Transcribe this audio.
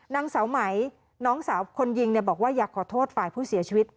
นางสาวไหมน้องสาวคนยิงบอกว่าอยากขอโทษฝ่ายผู้เสียชีวิต